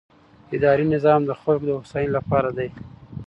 اداري نظام د خلکو د هوساینې لپاره دی.